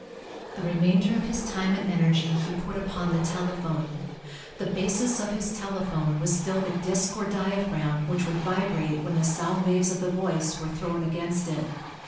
The remainder of his time and energy he put upon the telephone. The basis of his telephone was still the disk or diaphragm which would vibrate when the sound waves of the voice were thrown against it.